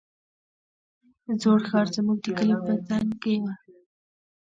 زوړ ښار زموږ د کلي په څنگ کښې و.